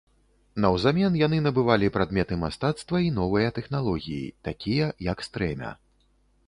Наўзамен яны набывалі прадметы мастацтва і новыя тэхналогіі, такія, як стрэмя.